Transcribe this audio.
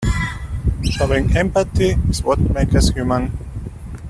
Showing empathy is what makes us human.